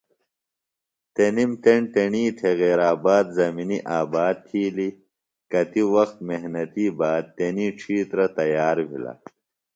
تنِم تݨ تیݨی تھےۡ غیر آباد زمِنی آباد تِھیلیۡ۔ کتیۡ وخت محنتیۡ باد تنی ڇِھیترہ تیار بِھلہ۔